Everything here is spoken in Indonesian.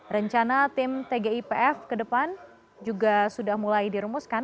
rencana tim tgipf ke depan juga sudah mulai dirumuskan